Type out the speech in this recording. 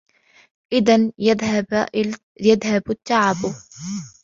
إِذَنْ يَذْهَبَ التَّعِبُ.